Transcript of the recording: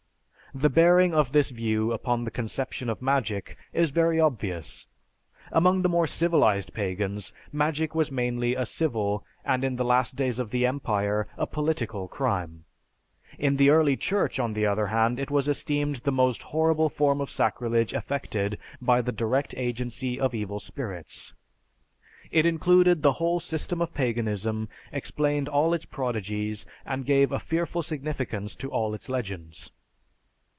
The bearing of this view upon the conception of magic is very obvious. Among the more civilized pagans, magic was mainly a civil, and in the last days of the empire, a political crime. In the early church, on the other hand, it was esteemed the most horrible form of sacrilege effected by the direct agency of evil spirits. It included the whole system of paganism, explained all its prodigies, and gave a fearful significance to all its legends.